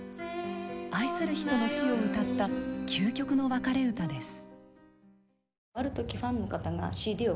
愛する人間の死を歌った究極の別れ歌です。